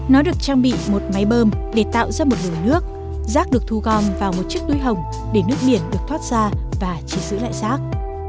nó được trang bị một máy bơm để tạo ra một nồi nước rác được thu gom vào một chiếc túi hồng để nước biển được thoát ra và chỉ giữ lại rác